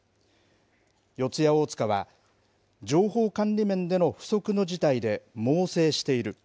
四谷大塚は、情報管理面での不測の事態で猛省している。